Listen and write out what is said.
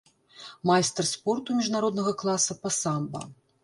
Майстар спорту міжнароднага класа па самба.